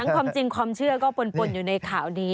ความจริงความเชื่อก็ปนอยู่ในข่าวนี้